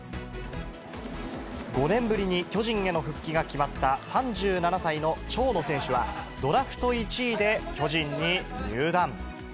５年ぶりに巨人への復帰が決まった３７歳の長野選手は、ドラフト１位で巨人に入団。